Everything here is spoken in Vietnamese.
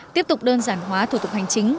tiếp tục đơn giản hóa thủ tục hành chính tám mươi ba